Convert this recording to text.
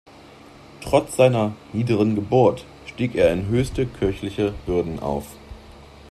Trotz seiner „niederen Geburt“ stieg er in höchste kirchliche Würden auf.